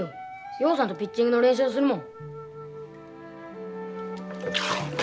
陽さんとピッチングの練習するもん。